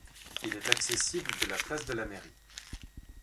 Il est accessible de la place de la Mairie.